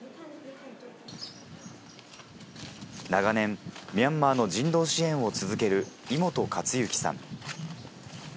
長年ミャンマーの人道支援を続ける井本勝幸さん。